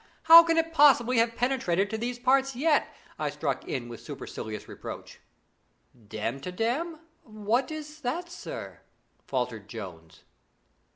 How can it possibly have penetrated to these parts yet?' I struck in with supercilious reproach. 'Damtidam! What is that, sir?' faltered Jones.